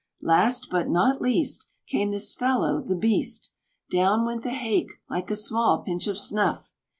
Last, but not least, Came this fellow, the beast Down went the hake like a small pinch of snuff!